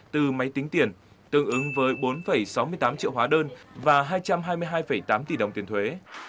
từ máy tính tiền tương ứng với bốn sáu mươi tám triệu hóa đơn và hai trăm hai mươi hai tám tỷ đồng tiền thuế